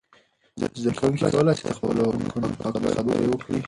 زده کوونکي کولای سي د خپلو حقونو په هکله خبرې وکړي.